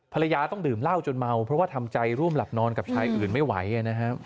ภรรยาต้องดื่มเหล้าจนเมาเพราะว่าทำใจร่วมหลับนอนกับชายอื่นไม่ไหวนะครับ